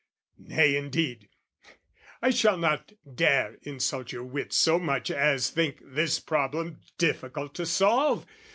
Nay, indeed! I shall not dare insult your wits so much As think this problem difficult to solve!